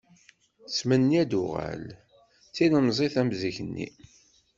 Tettmenni ad tuɣal, d tilemẓit am zik-nni.